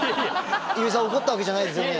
油井さん怒ったわけじゃないですよね？